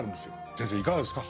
先生いかがですか？